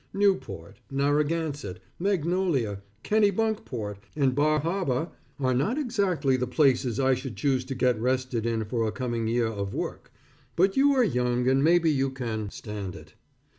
Newport, Narragansett, Magnolia, Kenneybunkport, and Bar Harbor are not exactly the places I should choose to get rested in for a coming year of work, but you are young and maybe you can stand it.